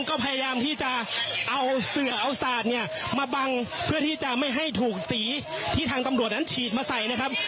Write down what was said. ก็พยายามที่จะเอาเสือเอาสาดเนี่ยมาบังเพื่อที่จะไม่ให้ถูกสีที่ทางตำรวจนั้นฉีดมาใส่นะครับ